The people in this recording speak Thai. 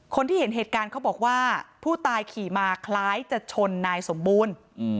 คนที่เห็นเหตุการณ์เขาบอกว่าผู้ตายขี่มาคล้ายจะชนนายสมบูรณ์